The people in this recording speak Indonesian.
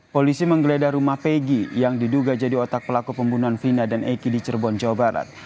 polisi menggeledah rumah pegi yang diduga jadi otak pelaku pembunuhan vina dan eki di cirebon jawa barat